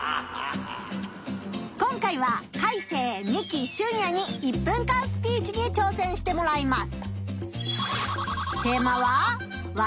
今回はカイセイミキシュンヤに１分間スピーチに挑戦してもらいます。